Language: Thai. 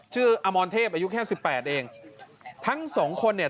อมรเทพอายุแค่สิบแปดเองทั้งสองคนเนี่ย